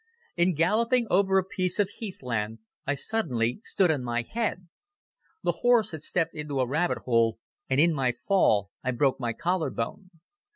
In galloping over a piece of heath land, I suddenly stood on my head. The horse had stepped into a rabbit hole and in my fall I broke my collar bone.